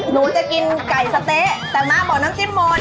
หนูจะกินไก่สะเต๊ะแต่ม้าบอกน้ำจิ้มมอน